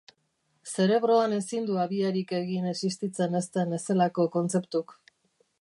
Zerebroan ezin du habiarik egin existitzen ez den ezelako kontzeptuk.